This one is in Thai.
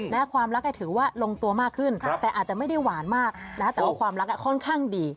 ความรักก็ถือว่าลงตัวมากขึ้นแต่อาจจะไม่ได้หวานมากนะแต่ว่าความรักค่อนข้างดี